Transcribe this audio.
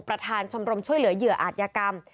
ประธานชมรมช่วยเหลือเหยื่ออาจยากรรม